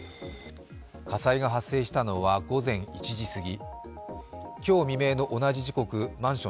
火災が発生したのは午前１時過ぎ。